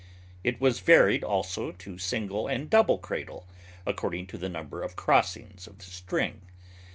It was varied also to single and double cradle, according to the number of crossings of the string.